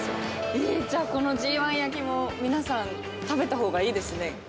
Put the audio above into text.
えー、じゃあ、このＧ１焼きも皆さん食べた方がいいですね。